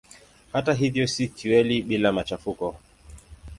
Hata hivyo si fueli bila machafuko.